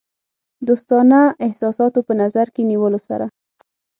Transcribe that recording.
دوستانه احساساتو په نظر کې نیولو سره.